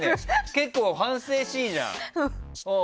結構、反省しいじゃん。